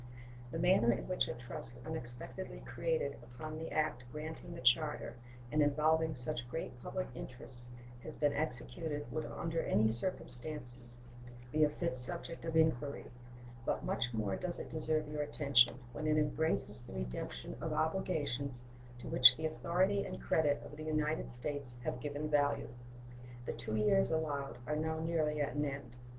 The manner in which a trust unexpectedly created upon the act granting the charter, and involving such great public interests, has been executed would under any circumstances be a fit subject of inquiry; but much more does it deserve your attention when it embraces the redemption of obligations to which the authority and credit of the United States have given value. The two years allowed are now nearly at an end.